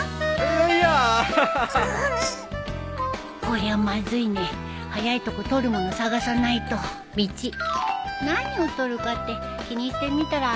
こりゃまずいね早いとこ撮るもの探さないと何を撮るかって気にしてみたら案外難しいもんだね。